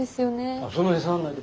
あっその辺触んないで。